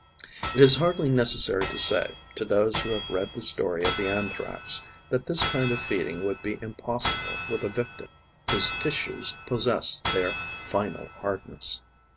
It is hardly necessary to say, to those who have read the story of the Anthrax, that this kind of feeding would be impossible with a victim whose tissues possessed their final hardness.